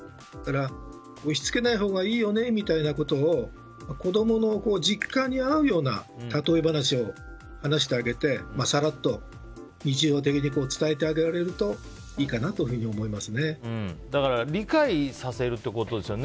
押し付けないほうがいいよねみたいなことを子供の実感に合うようなたとえ話を話してあげてさらっと、日常的に伝えてあげられるとだから理解させるということですよね。